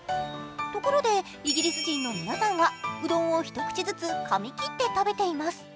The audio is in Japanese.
ところでイギリス人の皆さんはうどんをひと口ずつかみ切って食べています。